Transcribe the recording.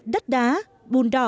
đất đá bùn đỏ